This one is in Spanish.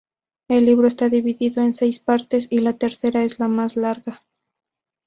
El libro está dividido en seis partes y la tercera es la más larga.